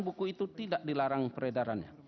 buku itu tidak dilarang peredarannya